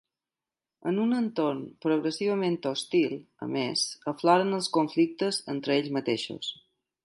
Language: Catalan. En un entorn progressivament hostil, a més, afloren els conflictes entre ells mateixos.